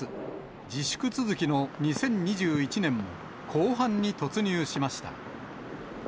自粛続きの２０２１年も、後半に突入しました。